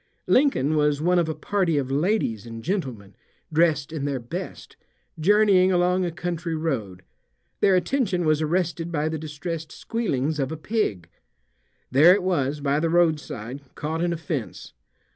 Lincoln was one of a party of ladies and gentlemen, dressed in their best, journeying along a country road. Their attention was arrested by the distressed squealings of a pig. There it was by the roadside, caught in a fence.